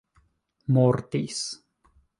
mortis